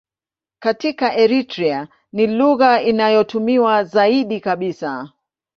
Katika Eritrea ni lugha inayotumiwa zaidi kabisa.